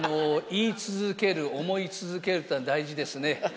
言い続ける、思い続けるっていうのは大事ですね。